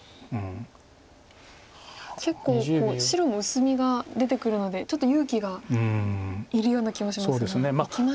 結構白も薄みが出てくるのでちょっと勇気がいるような気もしますがいきましたね。